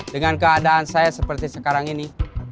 dengan keadaan saya seperti sekarang ini